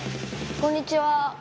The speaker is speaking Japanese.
こんにちは。